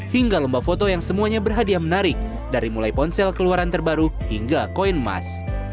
hingga lomba foto yang semuanya berhadiah menarik dari mulai ponsel keluaran terbaru hingga koin emas